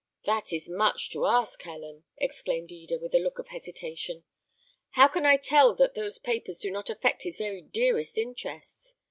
'" "That is much to ask, Helen," exclaimed Eda, with a look of hesitation; "how can I tell that those papers do not affect his very dearest interests?